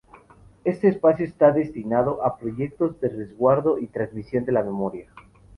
Este espacio está destinado a proyectos de resguardo y transmisión de la memoria.